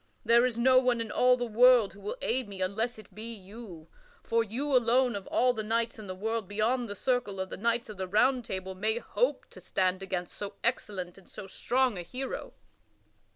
There is no one in all the world who will aid me unless it be you, for you alone of all the knights in the world beyond the circle of the knights of the Round Table may hope to stand against so excellent and so strong a hero!"